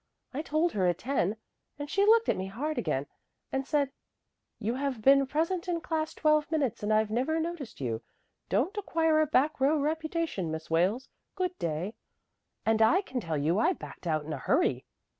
I told her at ten, and she looked at me hard again and said, 'You have been present in class twelve times and I've never noticed you. Don't acquire a back row reputation, Miss Wales. Good day,' and I can tell you I backed out in a hurry."